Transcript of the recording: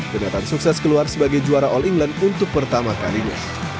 jonathan sukses keluar sebagai juara all england untuk pertama kalinya